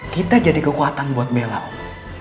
kita jadi kekuatan buat bella om